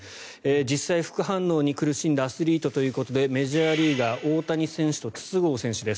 実際副反応に苦しんだアスリートということでメジャーリーガー大谷選手と筒香選手です。